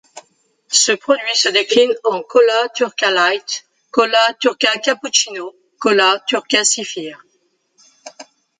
Ce produit se décline en Cola Turka Light, Cola Turka Cappuccino, Cola Turka Sıfır.